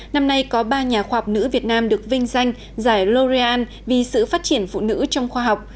năm nay có ba nhà khoa học nữ việt nam được vinh danh giải oreal vì sự phát triển phụ nữ trong khoa học